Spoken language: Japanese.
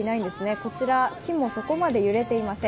こちら木もそこまで揺れていません。